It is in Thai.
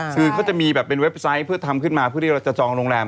คือเขาจะมีแบบเป็นเว็บไซต์เพื่อทำขึ้นมาเพื่อที่เราจะจองโรงแรม